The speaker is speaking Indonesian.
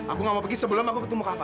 aku nggak mau pergi sebelum aku ketemu kava